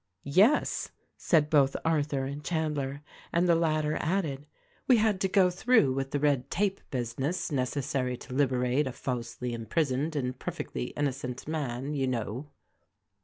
"Yes," said both Arthur and Chandler, and the latter added, "We had to go through with the red tape business 230 THE RECORDING ANGEL necessary to liberate a falsely imprisoned and perfectly in nocent man, you know."